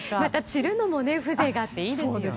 散るのも風情があっていいですよね。